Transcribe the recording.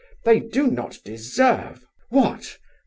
They do not deserve..." "What?